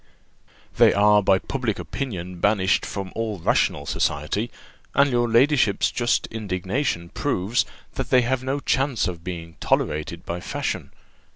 "They are by public opinion banished from all rational society; and your ladyship's just indignation proves, that they have no chance of being tolerated by fashion.